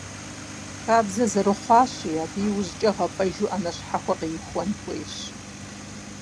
Хабзэ зэрыхъуащи, абы иужькӀэ гъэфӀэжу Ӏэнэ щхьэхуэ къиухуэн хуейщ.